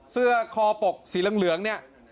เสื้อคอปกสีเหลืองเนี่ย